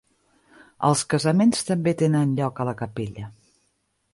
Els casaments també tenen lloc a la capella.